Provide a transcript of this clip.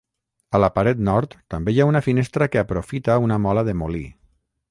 A la paret nord també hi ha una finestra que aprofita una mola de molí.